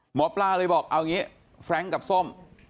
หมอปลาเลยบอกเอาอย่างนี้แฟรงค์กับส้ม